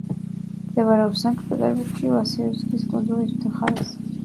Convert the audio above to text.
მდებარეობს სანქტ-პეტერბურგში, ვასილევსკის კუნძულის მხარეს.